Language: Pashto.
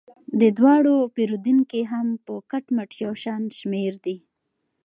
د دواړو پیرودونکي هم په کټ مټ یو شان شمیر دي.